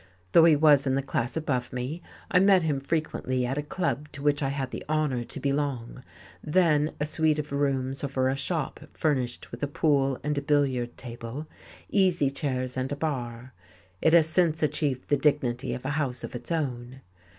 Though he was in the class above me, I met him frequently at a club to which I had the honour to belong, then a suite of rooms over a shop furnished with a pool and a billiard table, easy chairs and a bar. It has since achieved the dignity of a house of its own.